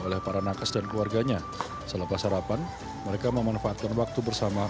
oleh para nakas dan keluarganya selepas sarapan mereka memanfaatkan waktu bersama